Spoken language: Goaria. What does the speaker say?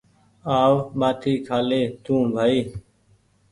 آو ٻاٽي کهالي تونٚٚ بهائي